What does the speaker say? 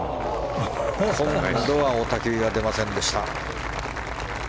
今度は雄たけびが出ませんでした。